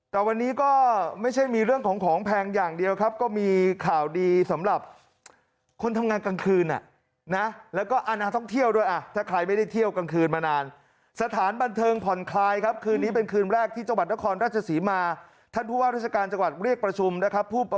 ตอนนี้ก็ไม่ใช่มีเรื่องของของแพงอย่างเดียวครับก็มีข่าวดีสำหรับคนทำงานกลางคืนนะนะแล้วก็อาณาท่องเที่ยวด้วยอ่ะถ้าใครไม่ได้เที่ยวกลางคืนมานานสถานบันเทิงผ่อนคลายครับคืนนี้เป็นคืนแรกที่จังหวัดที่จังหวัดที่จังหวัดที่จังหวัดที่จังหวัดที่จังหวัดที่จังหวัดที่จังหวัดที่จังหวัดที่จั